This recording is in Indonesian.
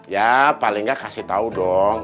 ya paling nggak kasih tau dong